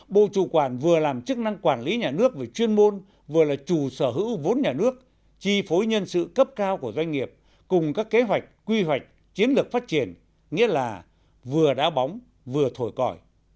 bộ chủ quản vừa làm chức năng quản lý nhà nước về chuyên môn vừa là chủ sở hữu vốn nhà nước chi phối nhân sự cấp cao của doanh nghiệp cùng các kế hoạch quy hoạch chiến lược phát triển nghĩa là vừa đá bóng vừa thổi còi